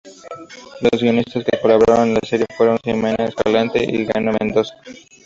Los guionistas que colaboraron en la serie fueron Ximena Escalante y Jano Mendoza.